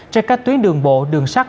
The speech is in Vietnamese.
trên các tuyến đường bộ đường sắt